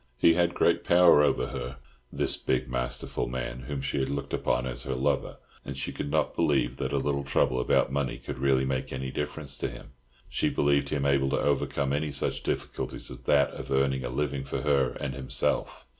He had great power over her—this big, masterful man, whom she had looked upon as her lover; and she could not believe that a little trouble about money could really make any difference to him. She believed him able to overcome any such difficulty as that of earning a living for her and himself.